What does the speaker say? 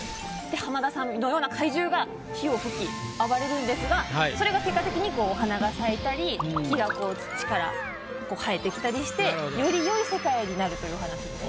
浜田さんのような怪獣が火を吹き暴れるんですがそれが結果的にお花が咲いたり木が土から生えてきたりして。というお話です。